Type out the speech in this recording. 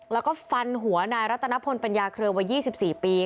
แล้วก็ฟันหัวนายรัตนพลปัญญาเครือวัย๒๔ปี